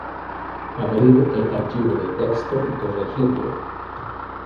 Abrir el archivo de texto y corregirlo.